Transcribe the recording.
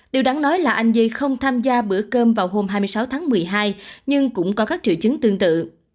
điều đáng nói là anh di không tham gia bữa cơm vào hôm hai mươi sáu tháng một mươi hai nhưng cũng có các triệu chứng tương tự